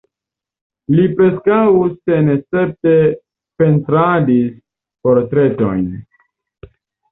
Li preskaŭ senescepte pentradis portretojn.